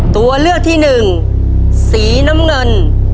ตัวเลือกที่หนึ่งสีน้ำเงิน